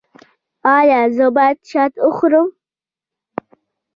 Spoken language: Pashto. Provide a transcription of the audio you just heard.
ایا زه باید شات وخورم؟